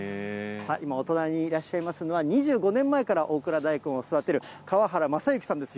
今、お隣にいらっしゃいますのは、２５年前から大蔵大根を育てる、河原正幸さんです。